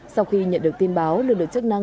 sau khi nhận được tin báo lực lượng chức năng